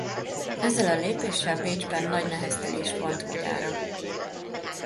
Ezzel a lépéssel Bécsben nagy neheztelést vont magára.